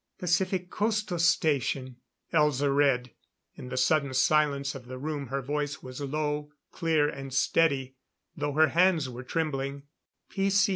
"Pacific Coastal Station," Elza read. In the sudden silence of the room her voice was low, clear, and steady, though her hands were trembling.